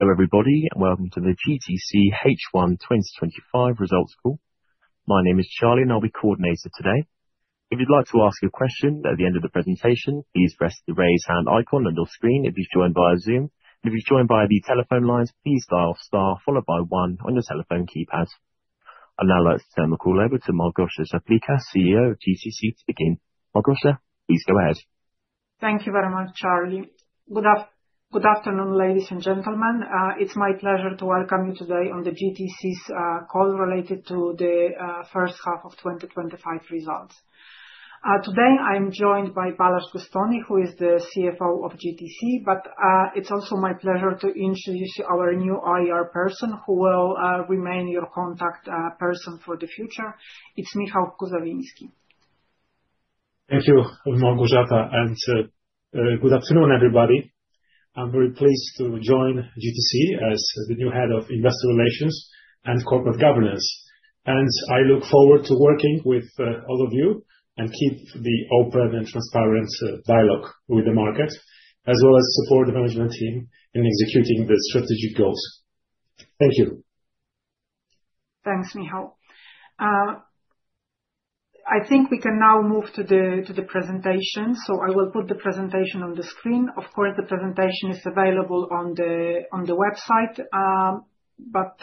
Hello, everybody, and welcome to the GTC H1 2025 results call. My name is Charlie, and I'll be coordinator today. If you'd like to ask a question at the end of the presentation, please press the raise hand icon on your screen if you're joined via Zoom. If you're joined via the telephone lines, please dial star followed by one on your telephone keypad. I'll now like to turn the call over to Małgorzata Czaplicka, CEO of GTC, to begin. Małgorzata, please go ahead. Thank you very much, Charlie. Good afternoon, ladies and gentlemen. It's my pleasure to welcome you today on the GTC call related to the first half of 2025 results. Today I'm joined by Balázs Gosztonyi, who is the CFO of GTC, but it's also my pleasure to introduce our new IR person who will remain your contact person for the future. It's Michał Kuzawiński. Thank you, Małgorzata, and good afternoon, everybody. I'm very pleased to join GTC as the new head of investor relations and corporate governance, and I look forward to working with all of you and keep the open and transparent dialogue with the market, as well as support the management team in executing the strategic goals. Thank you. Thanks, Michał. I think we can now move to the presentation, so I will put the presentation on the screen. Of course, the presentation is available on the website, but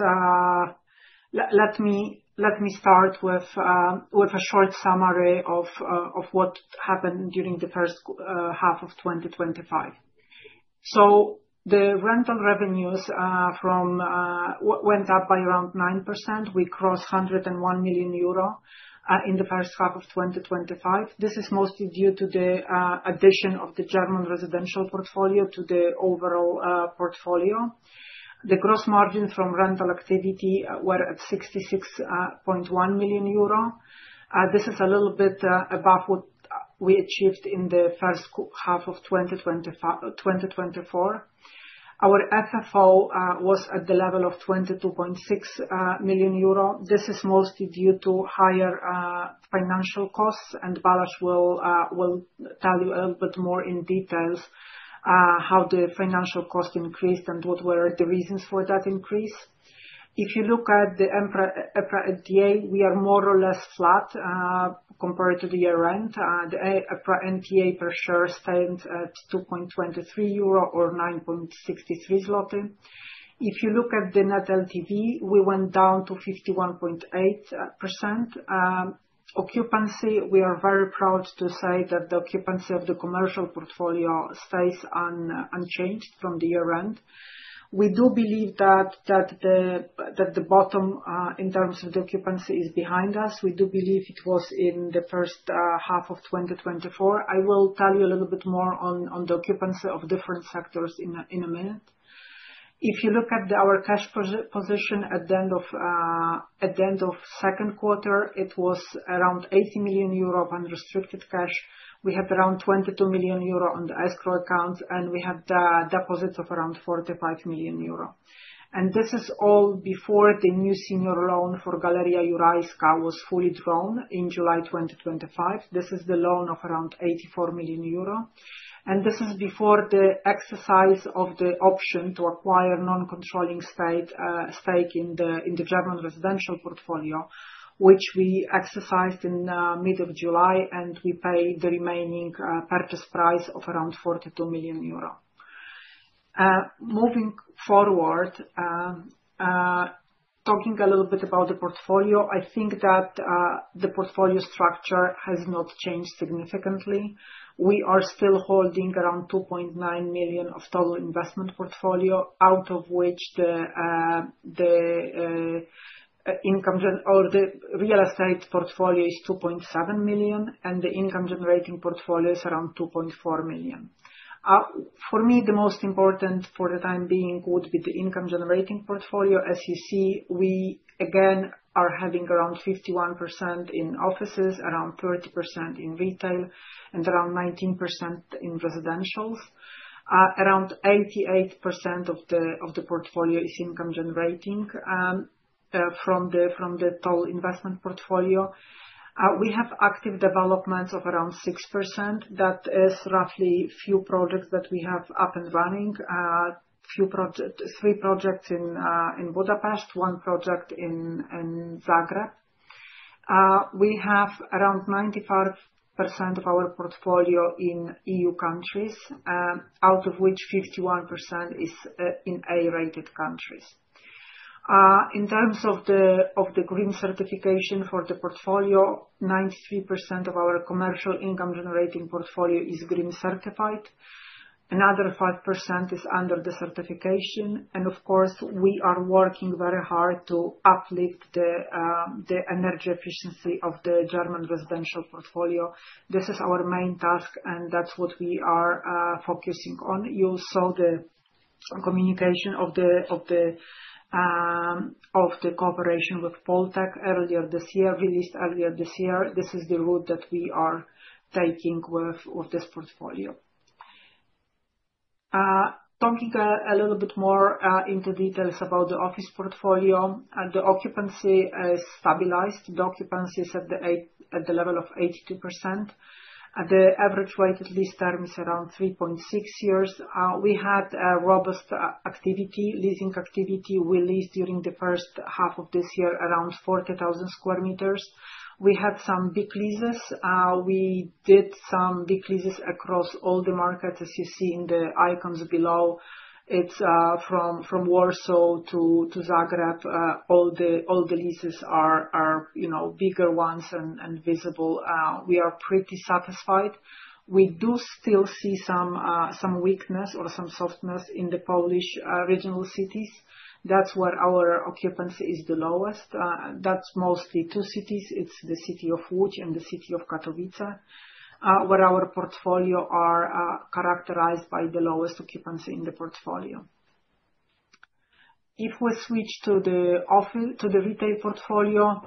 let me start with a short summary of what happened during the first half of 2025. So the rental revenues went up by around 9%. We crossed 101 million euro in the first half of 2025. This is mostly due to the addition of the German residential portfolio to the overall portfolio. The gross margin from rental activity was at 66.1 million euro. This is a little bit above what we achieved in the first half of 2024. Our FFO was at the level of 22.6 million euro. This is mostly due to higher financial costs, and Balázs will tell you a little bit more in detail how the financial cost increased and what were the reasons for that increase. If you look at the EPRA NTA, we are more or less flat compared to the year-end. The EPRA NTA per share stands at 2.23 euro or 9.63 zloty. If you look at the net LTV, we went down to 51.8%. Occupancy, we are very proud to say that the occupancy of the commercial portfolio stays unchanged from the year-end. We do believe that the bottom in terms of the occupancy is behind us. We do believe it was in the first half of 2024. I will tell you a little bit more on the occupancy of different sectors in a minute. If you look at our cash position at the end of the second quarter, it was around 80 million euro unrestricted cash. We had around 22 million euro on the escrow accounts, and we had deposits of around 45 million euro. This is all before the new senior loan for Galeria Jurajska was fully drawn in July 2025. This is the loan of around 84 million euro. This is before the exercise of the option to acquire non-controlling stake in the German residential portfolio, which we exercised in mid-July, and we paid the remaining purchase price of around 42 million euro. Moving forward, talking a little bit about the portfolio, I think that the portfolio structure has not changed significantly. We are still holding around 2.9 million of total investment portfolio, out of which the income or the real estate portfolio is 2.7 million, and the income-generating portfolio is around 2.4 million. For me, the most important for the time being would be the income-generating portfolio. As you see, we again are having around 51% in offices, around 30% in retail, and around 19% in residentials. Around 88% of the portfolio is income-generating from the total investment portfolio. We have active developments of around 6%. That is roughly a few projects that we have up and running, three projects in Budapest, one project in Zagreb. We have around 95% of our portfolio in EU countries, out of which 51% is in A-rated countries. In terms of the green certification for the portfolio, 93% of our commercial income-generating portfolio is green certified. Another 5% is under the certification, and of course, we are working very hard to uplift the energy efficiency of the German residential portfolio. This is our main task, and that's what we are focusing on. You saw the communication of the cooperation with PAUL Tech earlier this year, released earlier this year. This is the route that we are taking with this portfolio. Talking a little bit more into details about the office portfolio, the occupancy is stabilized. The occupancy is at the level of 82%. The average rate at lease term is around 3.6 years. We had robust activity, leasing activity. We leased during the first half of this year around 40,000 sq m. We had some big leases. We did some big leases across all the markets, as you see in the icons below. It's from Warsaw to Zagreb. All the leases are bigger ones and visible. We are pretty satisfied. We do still see some weakness or some softness in the Polish regional cities. That's where our occupancy is the lowest. That's mostly two cities. It's the city of Łódź and the city of Katowice, where our portfolio is characterized by the lowest occupancy in the portfolio. If we switch to the retail portfolio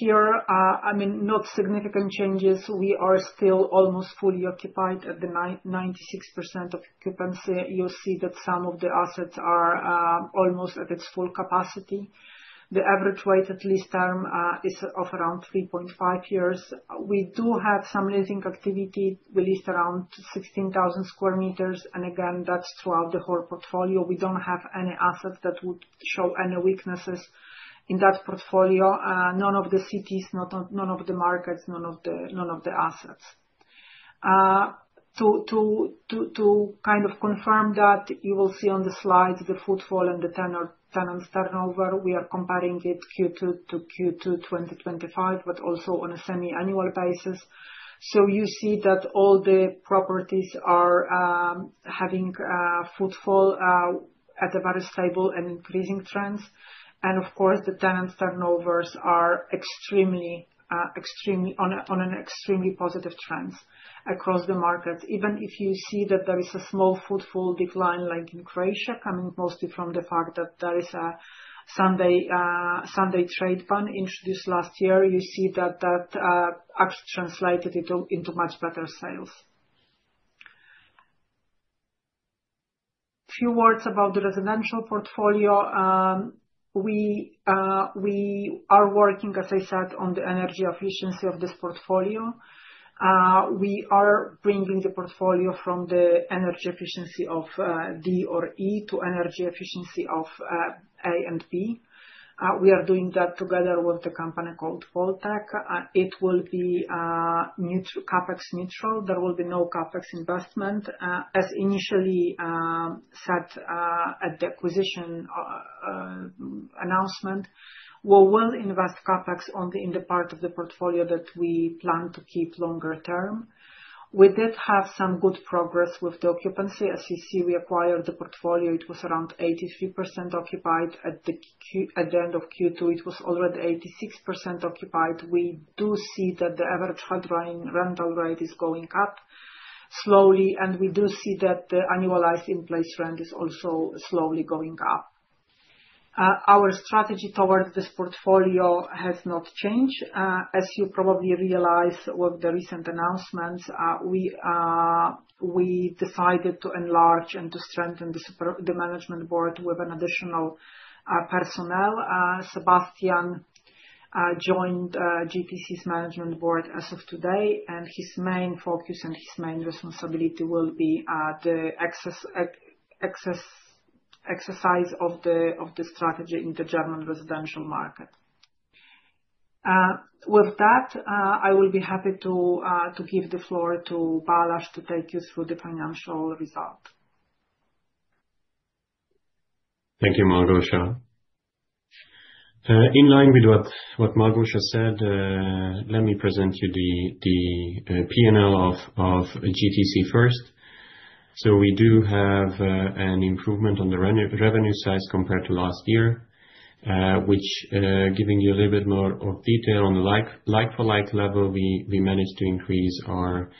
here, I mean, not significant changes. We are still almost fully occupied at the 96% of occupancy. You see that some of the assets are almost at its full capacity. The average rate at lease term is of around 3.5 years. We do have some leasing activity released around 16,000 square meters, and again, that's throughout the whole portfolio. We don't have any assets that would show any weaknesses in that portfolio. None of the cities, none of the markets, none of the assets. To kind of confirm that, you will see on the slides the footfall and the tenants turnover. We are comparing it Q2–Q2 2025, but also on a semi-annual basis, so you see that all the properties are having footfall at a very stable and increasing trends, and of course, the tenants turnovers are extremely on an extremely positive trend across the market. Even if you see that there is a small footfall decline like in Croatia, coming mostly from the fact that there is a Sunday trade ban introduced last year, you see that that actually translated into much better sales. Few words about the residential portfolio. We are working, as I said, on the energy efficiency of this portfolio. We are bringing the portfolio from the energy efficiency of D or E to energy efficiency of A and B. We are doing that together with a company called Paul Tech. It will be CapEx neutral. There will be no CapEx investment, as initially said at the acquisition announcement. We will invest CapEx only in the part of the portfolio that we plan to keep longer term. We did have some good progress with the occupancy. As you see, we acquired the portfolio. It was around 83% occupied. At the end of Q2, it was already 86% occupied. We do see that the average rental rate is going up slowly, and we do see that the annualized in-place rent is also slowly going up. Our strategy towards this portfolio has not changed. As you probably realize with the recent announcements, we decided to enlarge and to strengthen the management board with an additional personnel. Sebastian joined GTC's management board as of today, and his main focus and his main responsibility will be the exercise of the strategy in the German residential market. With that, I will be happy to give the floor to Balázs to take you through the financial result. Thank you, Małgorzata. In line with what Małgorzata said, let me present you the P&L of GTC First. So we do have an improvement on the revenue size compared to last year, which, giving you a little bit more detail on the like-for-like level, we managed to increase our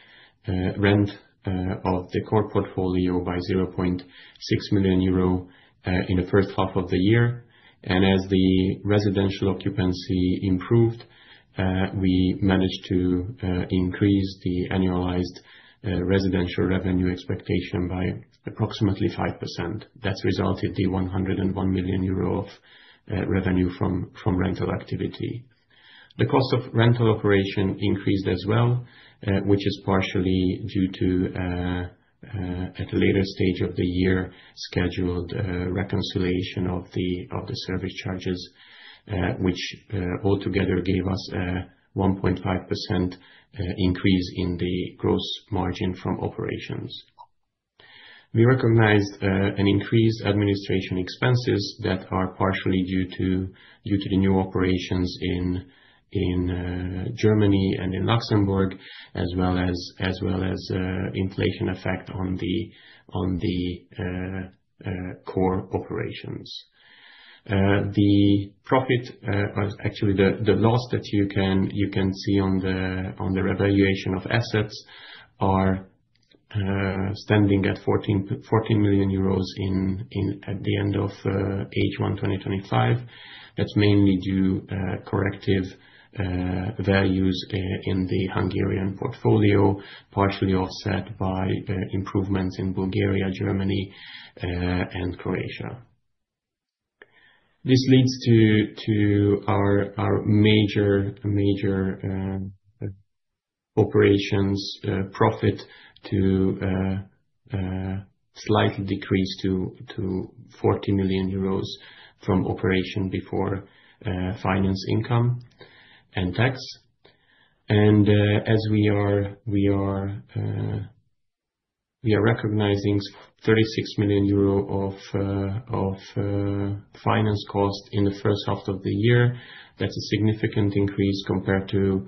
rent of the core portfolio by 0.6 million euro in the first half of the year. And as the residential occupancy improved, we managed to increase the annualized residential revenue expectation by approximately 5%. That's resulted in the 101 million euro of revenue from rental activity. The cost of rental operation increased as well, which is partially due to, at a later stage of the year, scheduled reconciliation of the service charges, which altogether gave us a 1.5% increase in the gross margin from operations. We recognized an increase in administration expenses that are partially due to the new operations in Germany and in Luxembourg, as well as inflation effect on the core operations. The profit, actually the loss that you can see on the revaluation of assets are standing at 14 million euros at the end of H1 2025. That's mainly due to corrective values in the Hungarian portfolio, partially offset by improvements in Bulgaria, Germany, and Croatia. This leads to our major operations profit to slightly decrease to 40 million euros from operation before finance income and tax. And as we are recognizing 36 million euro of finance cost in the first half of the year, that's a significant increase compared to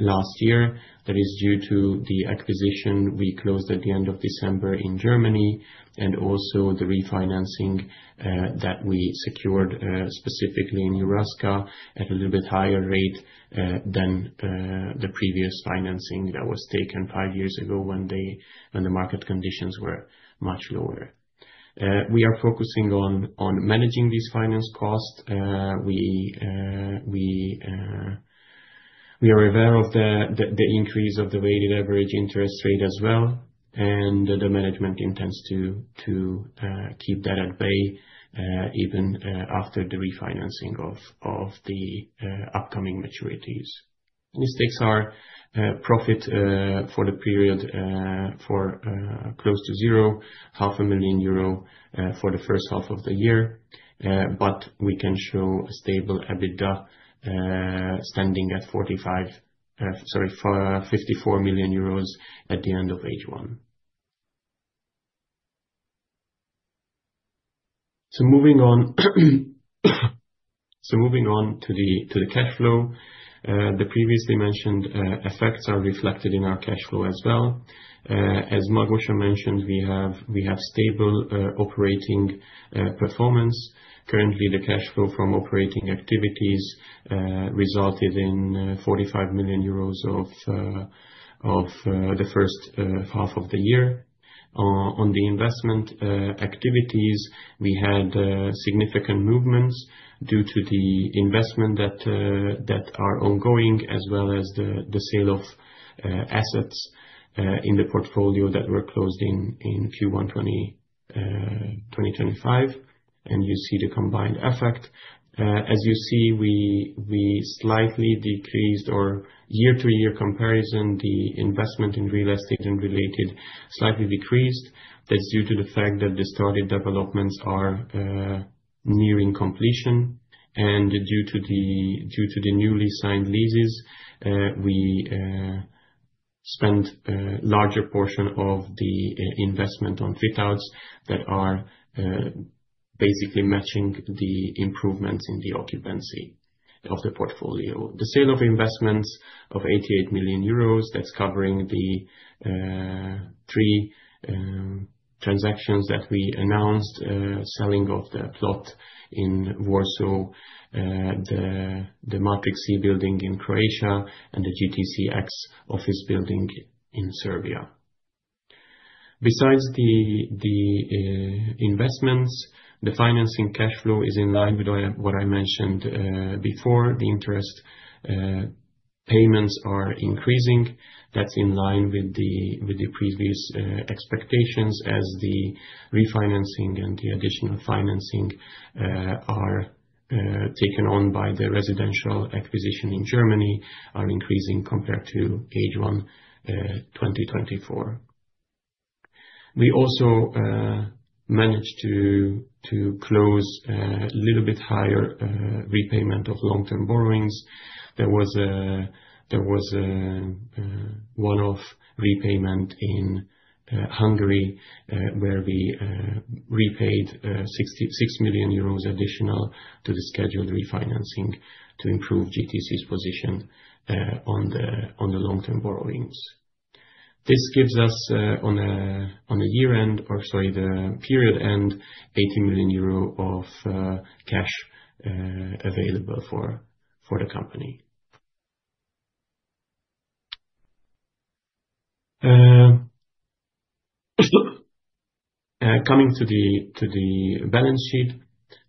last year. That is due to the acquisition we closed at the end of December in Germany and also the refinancing that we secured specifically in Jurajska at a little bit higher rate than the previous financing that was taken five years ago when the market conditions were much lower. We are focusing on managing these finance costs. We are aware of the increase of the weighted average interest rate as well, and the management intends to keep that at bay even after the refinancing of the upcoming maturities. Profit for the period is close to zero, 50 million euro for the first half of the year, but we can show a stable EBITDA standing at EUR 54 million at the end of H1. Moving on to the cash flow, the previously mentioned effects are reflected in our cash flow as well. As Małgorzata mentioned, we have stable operating performance. Currently, the cash flow from operating activities resulted in 45 million euros of the first half of the year. On the investment activities, we had significant movements due to the investment that are ongoing, as well as the sale of assets in the portfolio that were closed in Q1 2025, and you see the combined effect. As you see, we slightly decreased or year-to-year comparison, the investment in real estate and related slightly decreased. That's due to the fact that the started developments are nearing completion, and due to the newly signed leases, we spent a larger portion of the investment on fit-outs that are basically matching the improvements in the occupancy of the portfolio. The sale of investments of 88 million euros, that's covering the three transactions that we announced, selling of the plot in Warsaw, the Matrix C building in Croatia, and the GTC X office building in Serbia. Besides the investments, the financing cash flow is in line with what I mentioned before. The interest payments are increasing. That's in line with the previous expectations as the refinancing and the additional financing are taken on by the residential acquisition in Germany are increasing compared to H1 2024. We also managed to close a little bit higher repayment of long-term borrowings. There was one-off repayment in Hungary where we repaid 6 million euros additional to the scheduled refinancing to improve GTC's position on the long-term borrowings. This gives us, on a year-end or sorry, the period-end, 80 million euro of cash available for the company. Coming to the balance sheet,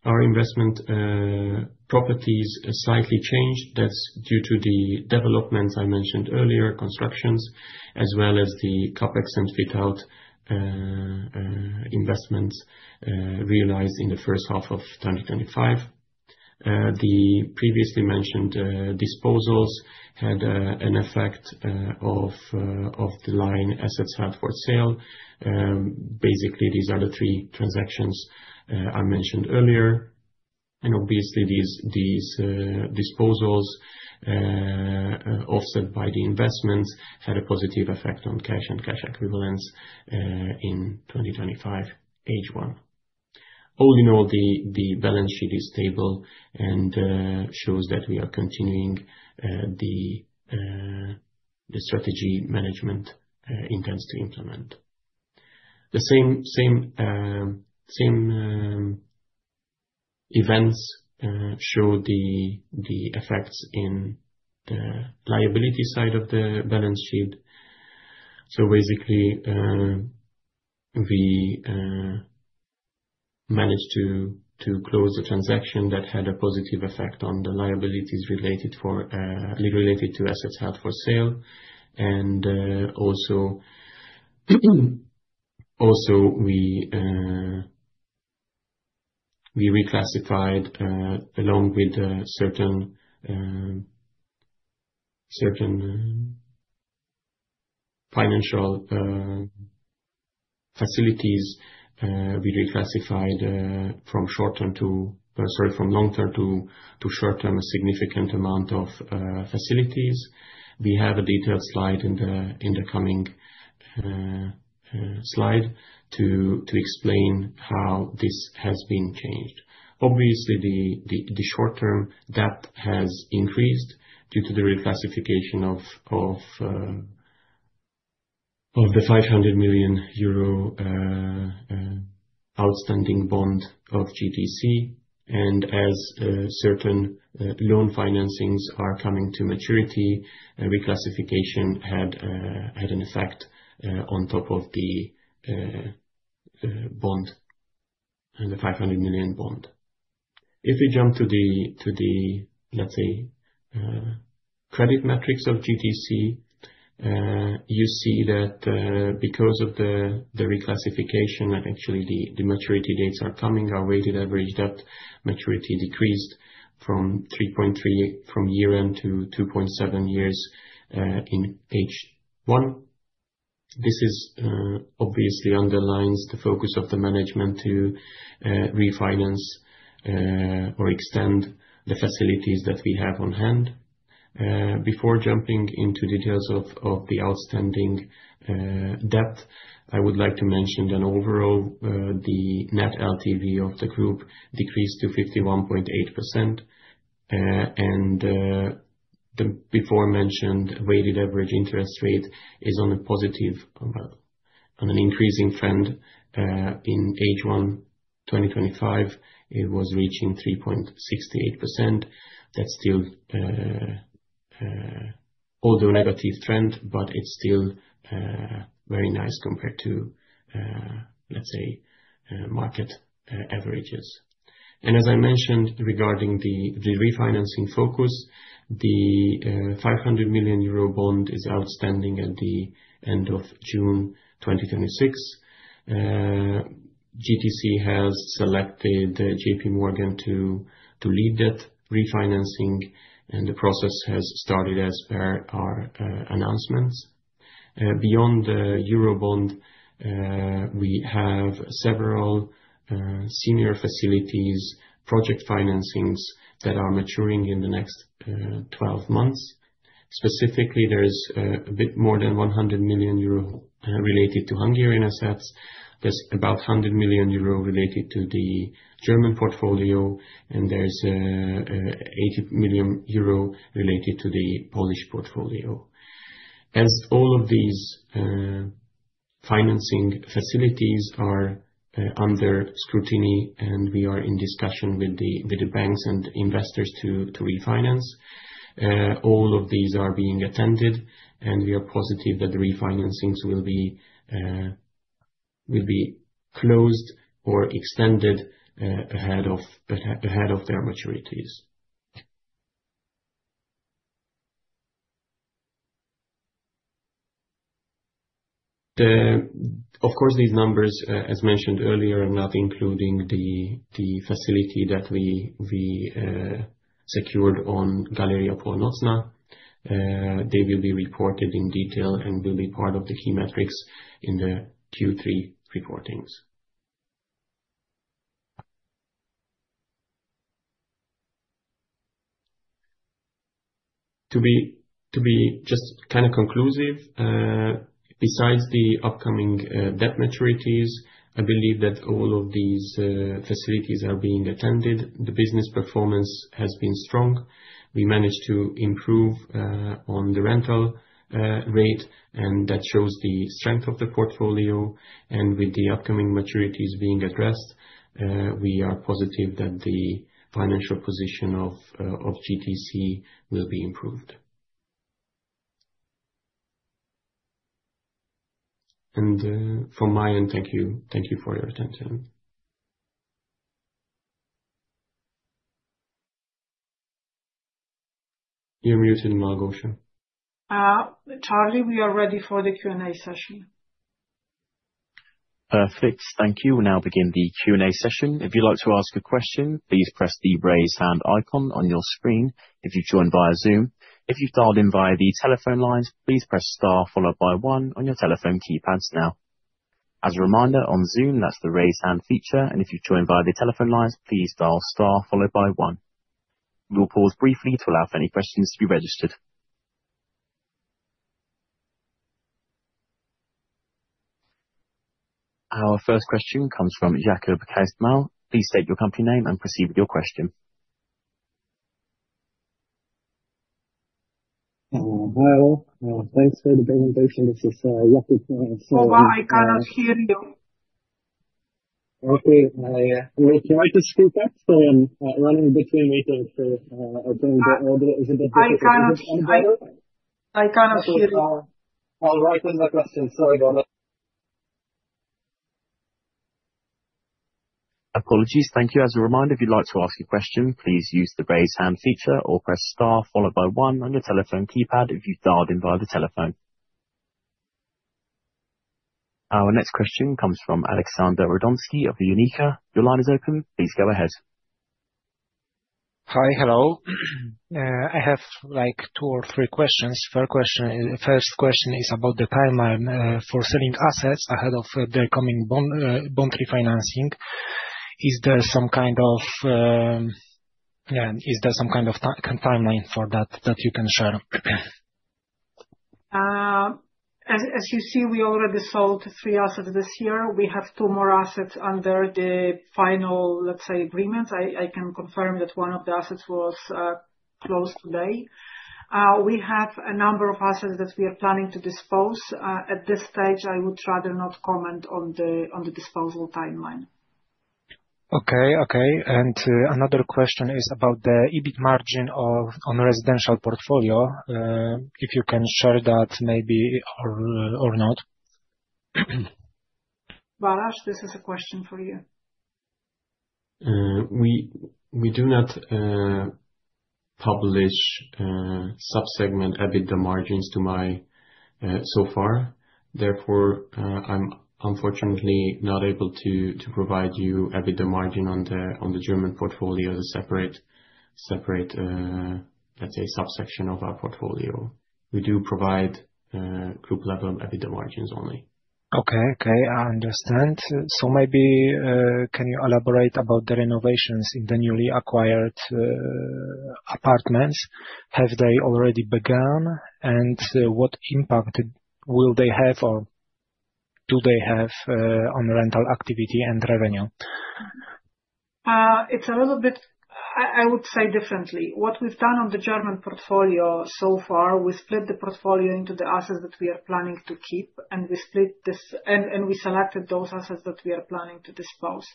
our investment properties slightly changed. That's due to the developments I mentioned earlier, constructions, as well as the CapEx and fit-out investments realized in the first half of 2025. The previously mentioned disposals had an effect on the line assets out for sale. Basically, these are the three transactions I mentioned earlier. And obviously, these disposals offset by the investments had a positive effect on cash and cash equivalents in 2025 H1. All in all, the balance sheet is stable and shows that we are continuing the strategy management intends to implement. The same events show the effects in the liability side of the balance sheet. So basically, we managed to close a transaction that had a positive effect on the liabilities related to assets out for sale. And also we reclassified, along with certain financial facilities, we reclassified from long-term to short-term a significant amount of facilities. We have a detailed slide in the coming slide to explain how this has been changed. Obviously, the short-term debt has increased due to the reclassification of the 500 million euro outstanding bond of GTC. As certain loan financings are coming to maturity, reclassification had an effect on top of the bond and the 500 million bond. If we jump to the, let's say, credit metrics of GTC, you see that because of the reclassification and actually the maturity dates are coming, our weighted average debt maturity decreased from year-end to 2.7 years in H1. This obviously underlines the focus of the management to refinance or extend the facilities that we have on hand. Before jumping into details of the outstanding debt, I would like to mention that overall, the Net LTV of the group decreased to 51.8%. The before-mentioned weighted average interest rate is on an increasing trend. In H1 2025, it was reaching 3.68%. That's still, although negative trend, but it's still very nice compared to, let's say, market averages. And as I mentioned regarding the refinancing focus, the 500 million euro bond is outstanding at the end of June 2026. GTC has selected JPMorgan to lead that refinancing, and the process has started as per our announcements. Beyond the Eurobond, we have several senior facilities project financings that are maturing in the next 12 months. Specifically, there's a bit more than 100 million euro related to Hungarian assets. There's about 100 million euro related to the German portfolio, and there's 80 million euro related to the Polish portfolio. As all of these financing facilities are under scrutiny and we are in discussion with the banks and investors to refinance, all of these are being attended, and we are positive that the refinancings will be closed or extended ahead of their maturities. Of course, these numbers, as mentioned earlier, are not including the facility that we secured on Galeria Północna. They will be reported in detail and will be part of the key metrics in the Q3 reportings. To be just kind of conclusive, besides the upcoming debt maturities, I believe that all of these facilities are being attended. The business performance has been strong. We managed to improve on the rental rate, and that shows the strength of the portfolio, and with the upcoming maturities being addressed, we are positive that the financial position of GTC will be improved, and from my end, thank you for your attention. You're muted, Małgorzata. Charlie, we are ready for the Q&A session. Perfect. Thank you. We'll now begin the Q&A session. If you'd like to ask a question, please press the raise hand icon on your screen if you've joined via Zoom. If you've dialed in via the telephone lines, please press star followed by one on your telephone keypads now. As a reminder, on Zoom, that's the raise hand feature, and if you've joined via the telephone lines, please dial star followed by one. We will pause briefly to allow for any questions to be registered. Our first question comes from Jakub Kaczmarek. Please state your company name and proceed with your question. Hello. Thanks for the presentation. This is Jakub. Oh, I cannot hear you. Okay. We're trying to speak up, so I'm running between meetings. I cannot hear you. I'll write in my question. Sorry about that. Apologies. Thank you. As a reminder, if you'd like to ask a question, please use the raise hand feature or press star followed by one on your telephone keypad if you've dialed in via the telephone. Our next question comes from Aleksander Radomski of UNIQA. Your line is open. Please go ahead. Hi. Hello. I have two or three questions. First question is about the timeline for selling assets ahead of their coming bond refinancing. Is there some kind of timeline for that that you can share? As you see, we already sold three assets this year. We have two more assets under the final, let's say, agreements. I can confirm that one of the assets was closed today. We have a number of assets that we are planning to dispose. At this stage, I would rather not comment on the disposal timeline. Okay. Okay. And another question is about the EBIT margin on residential portfolio. If you can share that maybe or not. Balázs, this is a question for you. We do not publish subsegment EBITDA margins to my so far. Therefore, I'm unfortunately not able to provide you EBITDA margin on the German portfolio, the separate, let's say, subsection of our portfolio. We do provide group-level EBITDA margins only. Okay. Okay. I understand. So maybe can you elaborate about the renovations in the newly acquired apartments? Have they already begun? And what impact will they have or do they have on rental activity and revenue? It's a little bit, I would say, differently. What we've done on the German portfolio so far, we split the portfolio into the assets that we are planning to keep, and we split this, and we selected those assets that we are planning to dispose.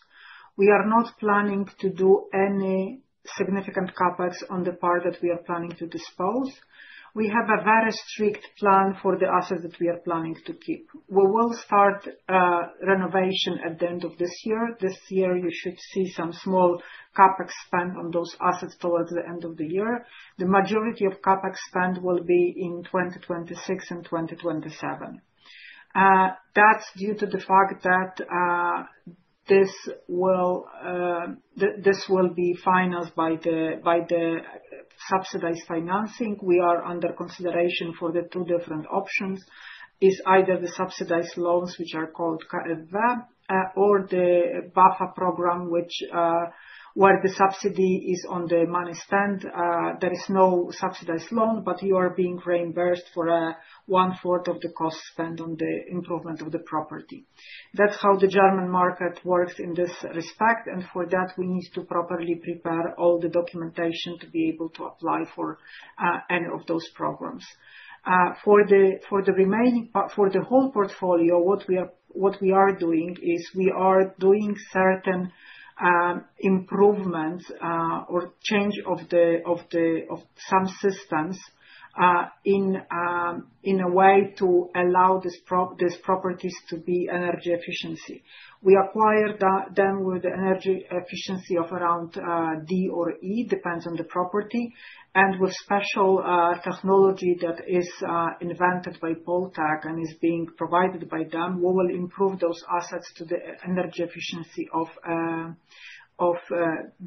We are not planning to do any significant CapEx on the part that we are planning to dispose. We have a very strict plan for the assets that we are planning to keep. We will start renovation at the end of this year. This year, you should see some small CapEx spend on those assets towards the end of the year. The majority of CapEx spend will be in 2026 and 2027. That's due to the fact that this will be financed by the subsidized financing. We are under consideration for the two different options. It's either the subsidized loans, which are called KfW, or the BAFA program, where the subsidy is on the money spent. There is no subsidized loan, but you are being reimbursed for one-fourth of the cost spent on the improvement of the property. That's how the German market works in this respect, and for that, we need to properly prepare all the documentation to be able to apply for any of those programs. For the whole portfolio, what we are doing is we are doing certain improvements or change of some systems in a way to allow these properties to be energy efficient. We acquire them with the energy efficiency of around D or E, depends on the property, and with special technology that is invented by Paul Tech and is being provided by them, we will improve those assets to the energy efficiency of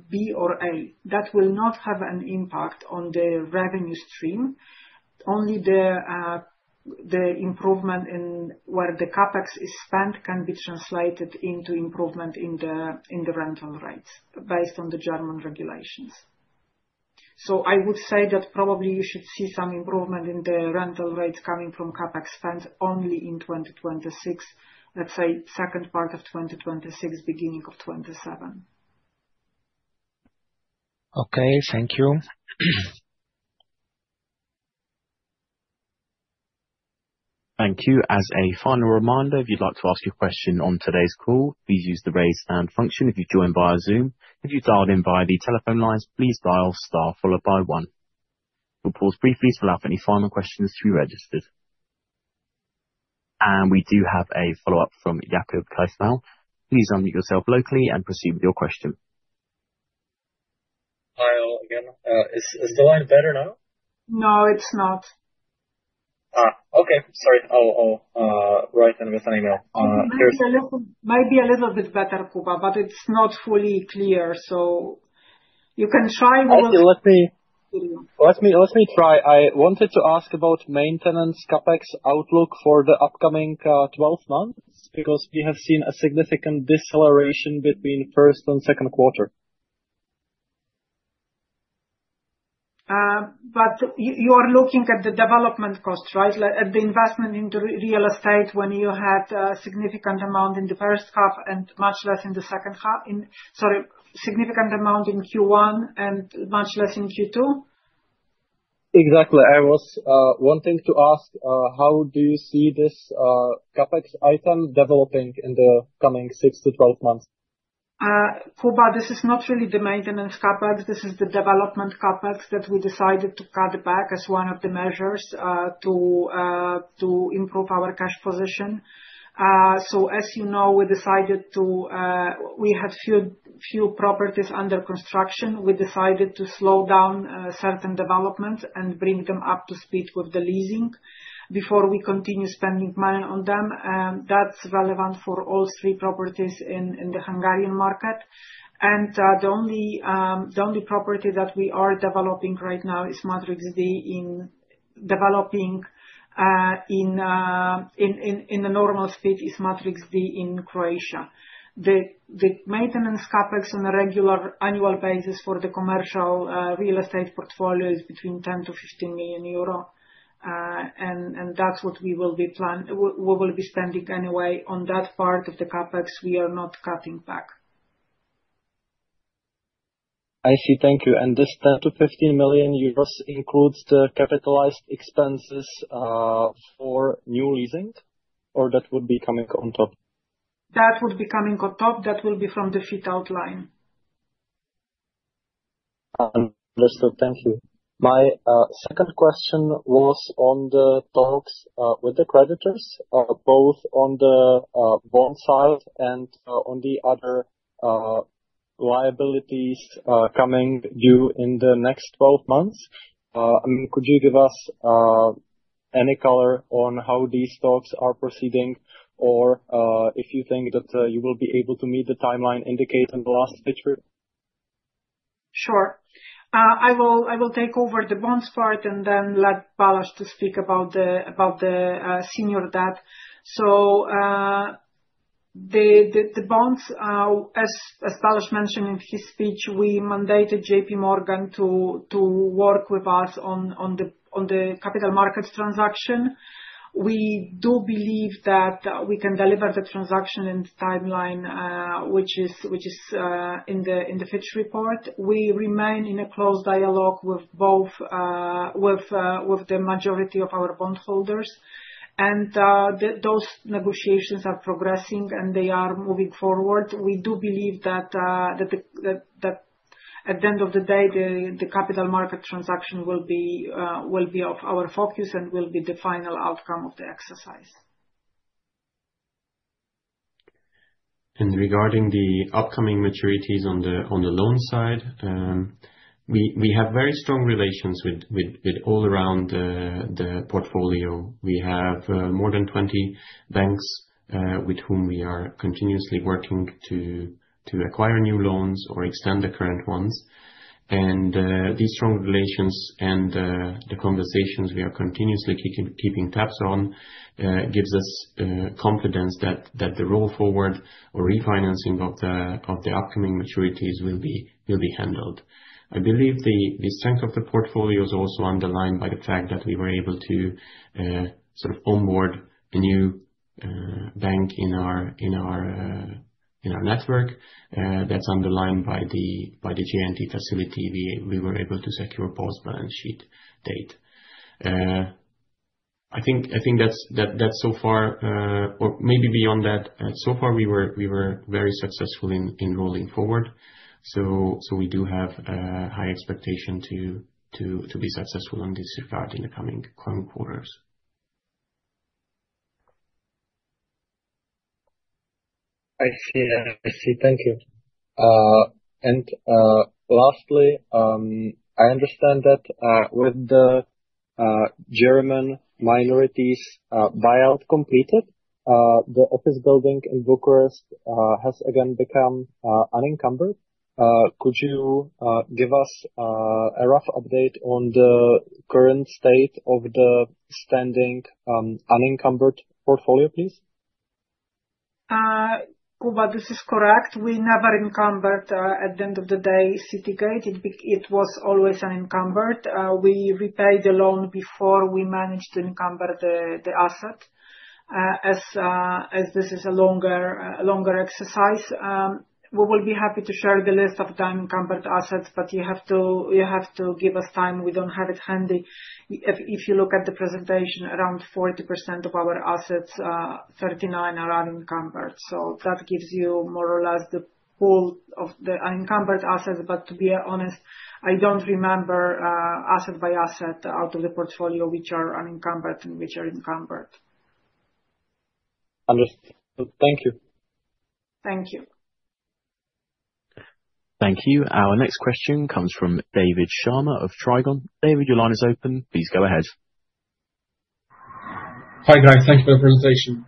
B or A. That will not have an impact on the revenue stream. Only the improvement in where the CapEx is spent can be translated into improvement in the rental rates based on the German regulations. So I would say that probably you should see some improvement in the rental rates coming from CapEx spent only in 2026, let's say, second part of 2026, beginning of 2027. Okay. Thank you. Thank you. As a final reminder, if you'd like to ask a question on today's call, please use the raise hand function. If you've joined via Zoom, if you've dialed in via the telephone lines, please dial star followed by one. We'll pause briefly to allow for any final questions to be registered, and we do have a follow-up from Jakub Kaczmar. Please unmute yourself locally and proceed with your question. Hi, again. Is the line better now? No, it's not. Okay. Sorry. I'll write in with an email. It might be a little bit better, Kuba, but it's not fully clear, so you can try with a video. Okay. Let me try. I wanted to ask about maintenance CapEx outlook for the upcoming 12 months because we have seen a significant deceleration between Q1 and Q2. But you are looking at the development cost, right? At the investment into real estate when you had a significant amount in the first half and much less in the second half? Sorry, significant amount in Q1 and much less in Q2? Exactly. I was wanting to ask how do you see this CapEx item developing in the coming 6–12 months? Kuba, this is not really the maintenance CapEx. This is the development CapEx that we decided to cut back as one of the measures to improve our cash position. So as you know, we decided to we had few properties under construction. We decided to slow down certain developments and bring them up to speed with the leasing before we continue spending money on them. That's relevant for all three properties in the Hungarian market. The only property that we are developing right now is Matrix D developing at a normal speed in Croatia. The maintenance CapEx on a regular annual basis for the commercial real estate portfolio is between 10–15 million euro. And that's what we will be spending anyway on that part of the CapEx. We are not cutting back. I see. Thank you. This 10–15 million euros includes the capitalized expenses for new leasing, or that would be coming on top? That would be coming on top. That will be from the fit-out line. Understood. Thank you. My second question was on the talks with the creditors, both on the bond side and on the other liabilities coming due in the next 12 months. I mean, could you give us any color on how these talks are proceeding or if you think that you will be able to meet the timeline indicated in the last picture? Sure. I will take over the bonds part and then let Balázs speak about the senior debt, so the bonds, as Balázs mentioned in his speech, we mandated JPMorgan to work with us on the capital markets transaction. We do believe that we can deliver the transaction in the timeline, which is in the fixed report. We remain in a close dialogue with the majority of our bondholders, and those negotiations are progressing, and they are moving forward. We do believe that at the end of the day, the capital market transaction will be of our focus and will be the final outcome of the exercise. Regarding the upcoming maturities on the loan side, we have very strong relations with all around the portfolio. We have more than 20 banks with whom we are continuously working to acquire new loans or extend the current ones. These strong relations and the conversations we are continuously keeping tabs on gives us confidence that the roll forward or refinancing of the upcoming maturities will be handled. I believe the strength of the portfolio is also underlined by the fact that we were able to sort of onboard a new bank in our network. That's underlined by the J&T facility. We were able to secure a post-balance sheet date. I think that's so far, or maybe beyond that. So far, we were very successful in rolling forward. So we do have a high expectation to be successful on this regard in the coming quarters. I see. I see. Thank you. And lastly, I understand that with the German minorities buyout completed, the office building in Bucharest has again become unencumbered. Could you give us a rough update on the current state of the standing unencumbered portfolio, please? Kuba, this is correct. We never encumbered at the end of the day City Gate. It was always unencumbered. We repaid the loan before we managed to encumber the asset. As this is a longer exercise, we will be happy to share the list of the unencumbered assets, but you have to give us time. We don't have it handy. If you look at the presentation, around 40% of our assets, 39% are unencumbered. So that gives you more or less the pool of the unencumbered assets. But to be honest, I don't remember asset by asset out of the portfolio which are unencumbered and which are encumbered. Understood. Thank you. Thank you. Thank you. Our next question comes from David Sharma of Trigon. David, your line is open. Please go ahead. Hi, guys. Thank you for the presentation.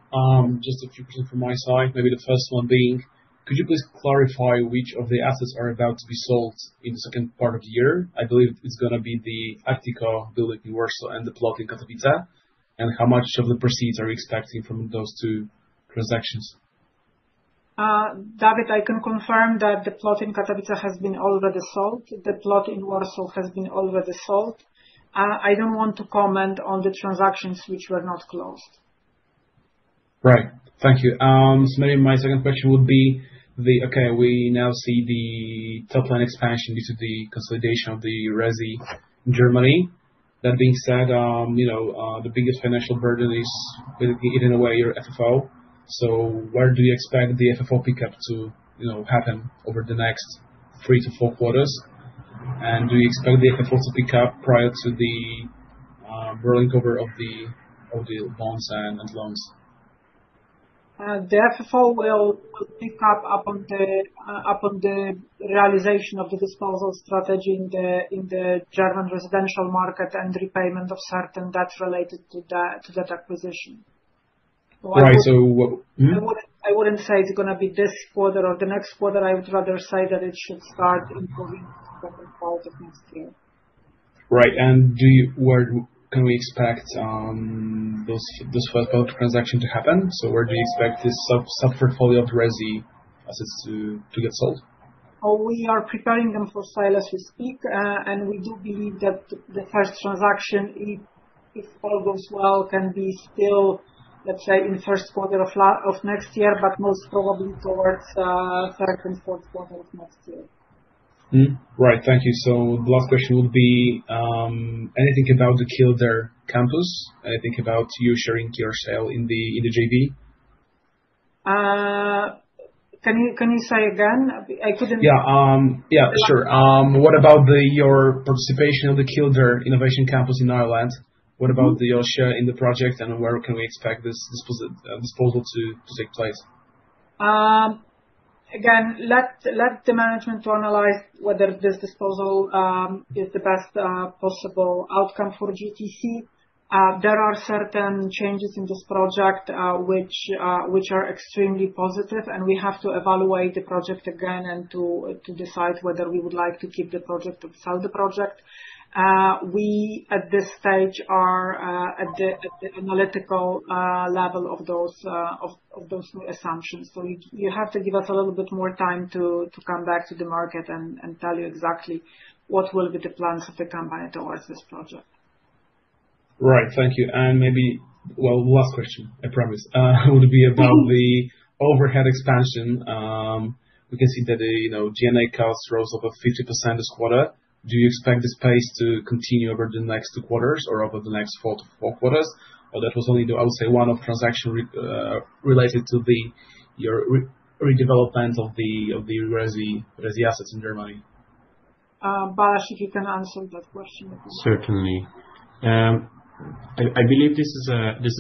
Just a few questions from my side. Maybe the first one being, could you please clarify which of the assets are about to be sold in the second part of the year? I believe it's going to be the Artico building in Warsaw and the plot in Katowice. And how much of the proceeds are we expecting from those two transactions? David, I can confirm that the plot in Katowice has been already sold. The plot in Warsaw has been already sold. I don't want to comment on the transactions which were not closed. Right. Thank you. So maybe my second question would be the, okay, we now see the top-line expansion due to the consolidation of the Resi Germany. That being said, the biggest financial burden is, in a way, your FFO. So where do you expect the FFO pickup to happen over the next Q3 to Q4? And do you expect the FFO to pick up prior to the rollover of the bonds and loans? The FFO will pick up upon the realization of the disposal strategy in the German residential market and repayment of certain debts related to that acquisition. Right. So I wouldn't say it's going to be this quarter or the next quarter. I would rather say that it should start in the second part of next year. Right. And where can we expect those first couple of transactions to happen? So where do you expect this sub-portfolio of our resi assets to get sold? We are preparing them for sale as we speak. We do believe that the first transaction, if all goes well, can be still, let's say, in the first quarter of next year, but most probably towards the second, fourth quarter of next year. Right. Thank you. So the last question would be, anything about the Kildare campus? Anything about you sharing your sale in the JV? Can you say again? I couldn't. Yeah. Yeah. Sure. What about your participation in the Kildare Innovation Campus in Ireland? What about the equity in the project, and where can we expect this disposal to take place? Again, let the management to analyze whether this disposal is the best possible outcome for GTC. There are certain changes in this project which are extremely positive, and we have to evaluate the project again and to decide whether we would like to keep the project or sell the project. We, at this stage, are at the analytical level of those assumptions. So you have to give us a little bit more time to come back to the market and tell you exactly what will be the plans of the company towards this project. Right. Thank you. And maybe, well, last question, I promise, would be about the overhead expansion. We can see that the G&A cost rose over 50% this quarter. Do you expect this pace to continue over the next two quarters or over the next four quarters? Or that was only, I would say, one-off transaction related to your redevelopment of our resi assets in Germany? Balázs, if you can answer that question. Certainly. I believe this is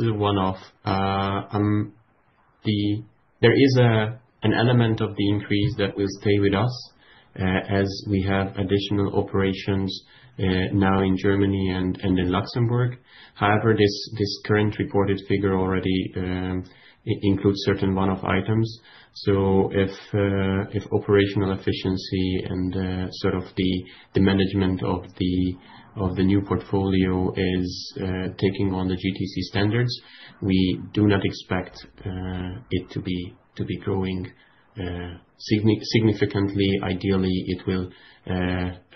a one-off. There is an element of the increase that will stay with us as we have additional operations now in Germany and in Luxembourg. However, this current reported figure already includes certain one-off items. So if operational efficiency and sort of the management of the new portfolio is taking on the GTC standards, we do not expect it to be growing significantly. Ideally, it will,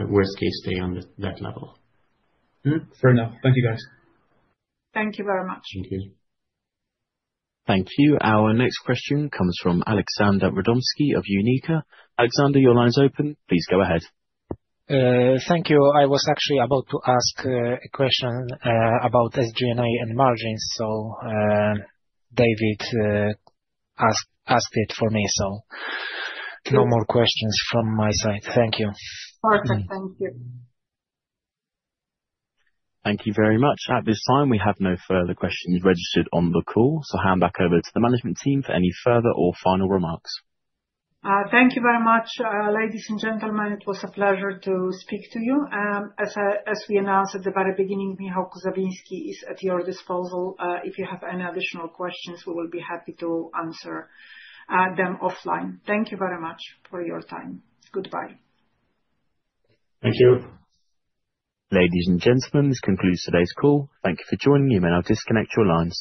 worst case, stay on that level. Fair enough. Thank you, guys. Thank you very much. Thank you. Thank you. Our next question comes from Aleksander Radomski of UNIQA. Alexander, your line is open. Please go ahead. Thank you. I was actually about to ask a question about SG&A and margins. So David asked it for me. So no more questions from my side. Thank you. Perfect. Thank you. Thank you very much. At this time, we have no further questions registered on the call. So hand back over to the management team for any further or final remarks. Thank you very much, ladies and gentlemen. It was a pleasure to speak to you. As we announced at the very beginning, Michał Kuzawiński is at your disposal. If you have any additional questions, we will be happy to answer them offline. Thank you very much for your time. Goodbye. Thank you. Ladies and gentlemen, this concludes today's call. Thank you for joining. You may now disconnect your lines.